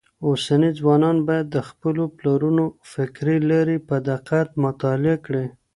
اوسني ځوانان بايد د خپلو پلرونو فکري لاري په دقت مطالعه کړي.